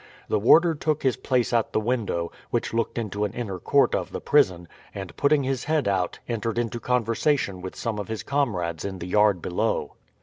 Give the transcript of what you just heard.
The warder took his place at the window, which looked into an inner court of the prison, and putting his head out entered into conversation with some of his comrades in the yard below.